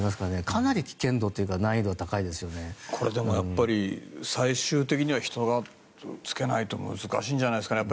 かなり危険度というかやっぱり最終的には人がつけないと難しいんじゃないんですかね。